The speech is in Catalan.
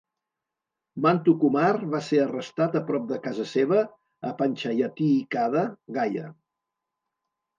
Mantu Kumar va ser arrestat a prop de casa seva a Panchayatee khada, Gaya.